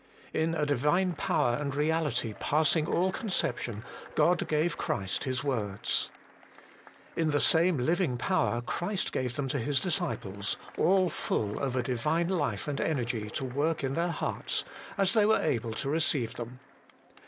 In a Divine power and reality passing all conception, God gave Christ His words. In the same living power Christ gave them to His disciples, all full of a Divine life and energy to work in their hearts, as they were able to receive them.